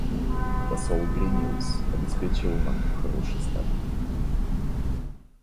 Посол Гриниус обеспечил нам хороший старт.